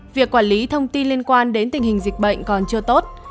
việc quản lý thông tin liên quan đến tình hình dịch bệnh còn chưa tốt